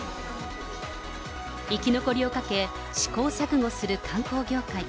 生き残りをかけ、試行錯誤する観光業界。